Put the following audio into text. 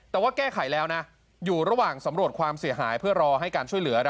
แต่ว่าแก้ไขแล้วนะอยู่ระหว่างสำรวจความเสียหายเพื่อรอให้การช่วยเหลือ